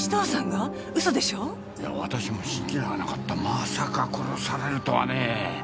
まさか殺されるとはね。